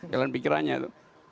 jalan pikirannya itu